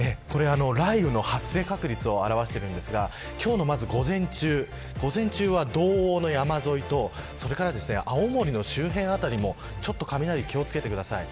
これ雷雨の発生確率を表しているんですが今日の午前中は道央の山沿いと青森の周辺辺りも雷に気を付けてください。